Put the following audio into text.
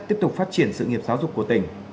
tiếp tục phát triển sự nghiệp giáo dục của tỉnh